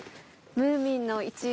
『ムーミン』の一員。